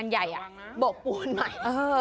อันใหญ่อ่ะบกปูนใหม่